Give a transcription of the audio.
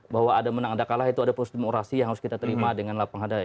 bahwa ada menang ada kalah itu ada proses demokrasi yang harus kita terima dengan lapang hadai